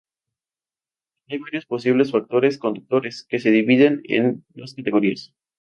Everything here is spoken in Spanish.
Hay varias posibles factores conductores, que se dividen en dos categorías.